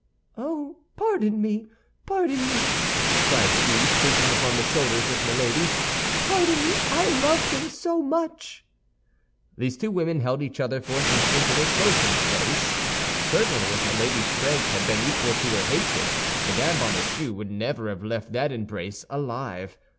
"Oh, pardon me, pardon me!" cried she, sinking upon the shoulders of Milady. "Pardon me, I love him so much!" These two women held each other for an instant in a close embrace. Certainly, if Milady's strength had been equal to her hatred, Mme. Bonacieux would never have left that embrace alive.